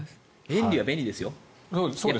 便利は便利ですよ。